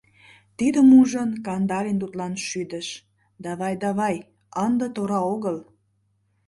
Тидым ужын, Кандалин тудлан шӱдыш: «Давай, давай, ынде тора огыл.